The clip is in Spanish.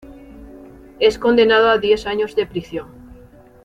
Es condenado a diez años de prisión.